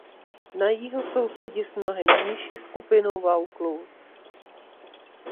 Na jihu sousedí s mnohem nižší skupinou Vaucluse.